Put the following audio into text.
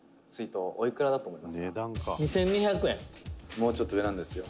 「もうちょっと上なんですよ」